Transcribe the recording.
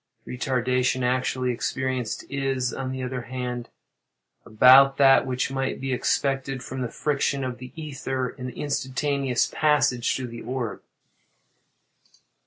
The retardation actually experienced is, on the other hand, about that which might be expected from the friction of the ether in the instantaneous passage through the orb.